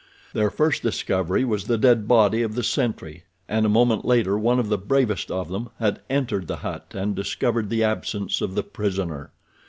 Their first discovery was the dead body of the sentry, and a moment later one of the bravest of them had entered the hut and discovered the absence of the prisoner.